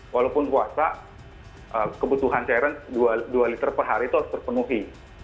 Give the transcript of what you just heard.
walaupun puasa kebutuhan cairan dua liter per hari itu harus terpenuhi